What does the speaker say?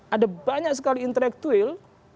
ada banyak sekali intelektual